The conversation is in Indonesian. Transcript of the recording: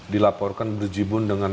dilaporkan berjibun dengan